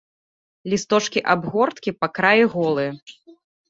Лісточкі абгорткі па краі голыя.